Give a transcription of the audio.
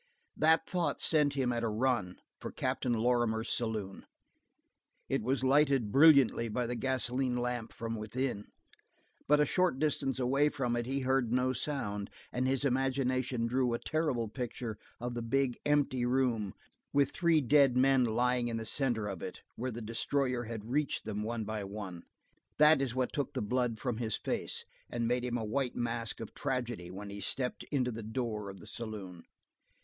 That thought sent him at a run for Captain Lorrimer's saloon. It was lighted brilliantly by the gasoline lamp within, but a short distance away from it he heard no sound and his imagination drew a terrible picture of the big, empty room, with three dead men lying in the center of it where the destroyer had reached them one by one. That was what took the blood from his face and made him a white mask of tragedy when he stepped into the door of the saloon.